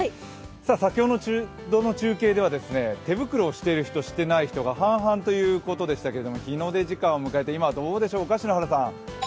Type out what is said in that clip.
先ほどの中継では手袋をしている人、していない人が半々ということでしたけれども日の出時間を迎えて今はどうでしょうか？